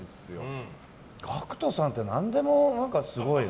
ＧＡＣＫＴさんって何でもすごいね。